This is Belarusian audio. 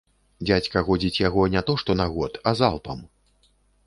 Дзядзька годзіць яго не то што на год, а залпам.